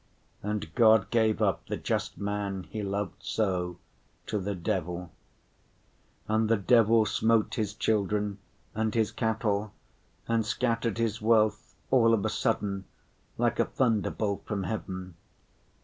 And God gave up the just man He loved so, to the devil. And the devil smote his children and his cattle and scattered his wealth, all of a sudden like a thunderbolt from heaven.